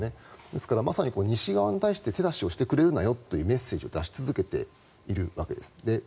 ですから、まさに西側に対して手出しをしてくれるなよというメッセージを出し続けているわけです。